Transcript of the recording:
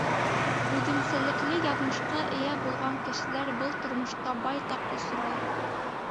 Үҙенсәлекле яҙмышҡа эйә булған кешеләр был тормошта байтаҡ осрай.